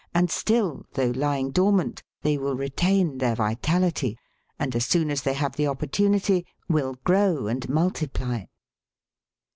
and still, though lying dormant, they will retain their vitality, and as soon as they have the opportunity will grow and multiply.